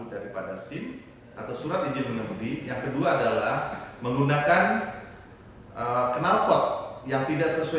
daripada sim atau surat izin mengemudi yang kedua adalah menggunakan kenalpot yang tidak sesuai